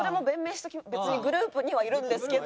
「別にグループにはいるんですけど」